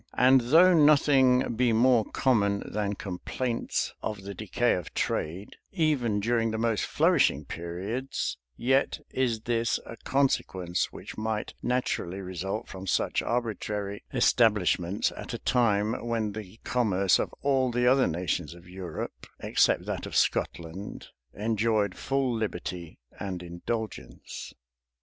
[] And though nothing be more common than complaints of the decay of trade, even during the most flourishing periods, yet is this a consequence which might naturally result from such arbitrary establishments, at a time when the commerce of all the other nations of Europe, except that of Scotland, enjoyed full liberty and indulgence.